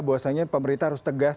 bahwasannya pemerintah harus tegas